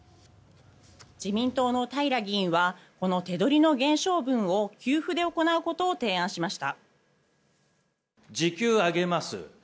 自民党の平議員はこの手取りの減少分を給付で行うことを提案しました。